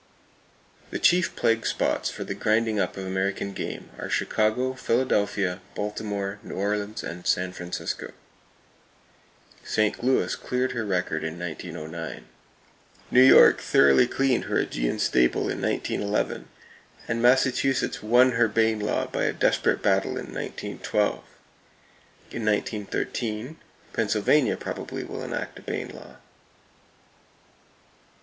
The chief plague spots for the grinding up of American game are Chicago, Philadelphia, Baltimore, New Orleans and San Francisco. St. Louis cleared her record in 1909. New York thoroughly cleaned her Augean stable in 1911, and Massachusetts won her Bayne law by a desperate battle in 1912. In 1913, Pennsylvania probably will enact a Bayne law.